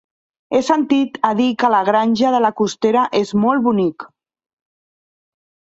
He sentit a dir que la Granja de la Costera és molt bonic.